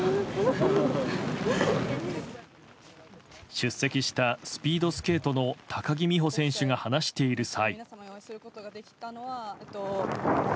出席した、スピードスケートの高木美帆選手が話している際。